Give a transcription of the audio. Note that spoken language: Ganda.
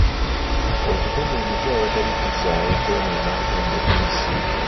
Okutema emiti awatali kuzzaawo kyonoona obutonde bw'ensi.